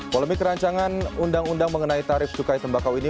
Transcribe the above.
polemik rancangan undang undang mengenai tarif cukai tembakau ini